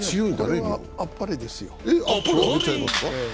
これはあっぱれですよ。